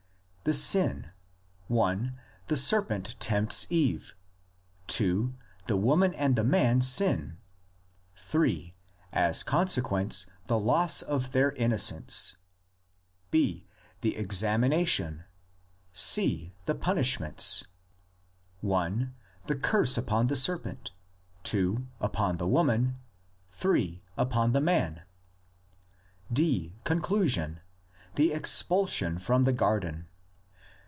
The sin: (i) the serpent tempts Eve; (2) the woman and the man sin; (3) as consequence, the loss of their innocence; II. The examination; III. The punishments: (i) the curse upon the serpent, (2) upon the woman, (3) upon the man; IV. Conclusion: the expulsion from the garden.